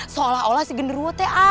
soalnya genderuwo saya